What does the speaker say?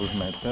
ada batu ampar